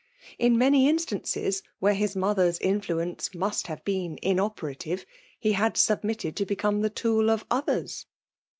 In many instances^ where his mother*B influence must have been inoperative, he had submitted to become the tool of others.